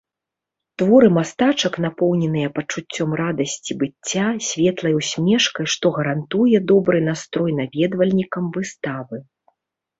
Творы мастачак напоўненыя пачуццём радасці быцця, светлай усмешкай, што гарантуе добры настрой наведвальнікам выставы.